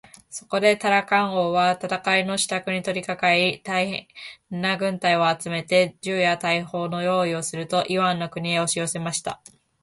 そこでタラカン王は戦のしたくに取りかかり、大へんな軍隊を集めて、銃や大砲をよういすると、イワンの国へおしよせました。